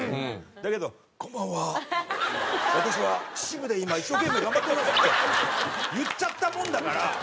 だけど「こんばんは。私は秩父で今一生懸命頑張っております」って言っちゃったもんだから。